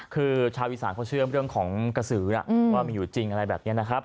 คือชาวอีสานเขาเชื่อเรื่องของกระสือนะว่ามีอยู่จริงอะไรแบบนี้นะครับ